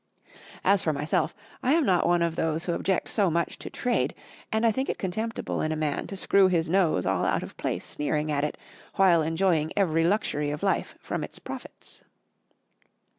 As for myself, I am not one of those who object so much to trade; and I think it contemptible in a man to screw his nose all out of place sneering at it, while enjoying every luxury of life from its profits.